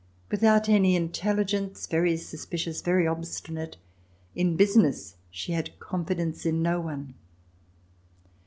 Without any intelligence, very suspicious, very obstinate, in business she had confidence in no one.